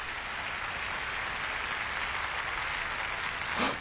あっ！